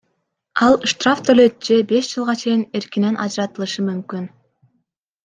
Ал штраф төлөйт же беш жылга чейин эркинен ажыратылышы мүмкүн.